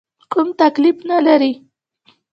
کوم تکلیف نه لرې؟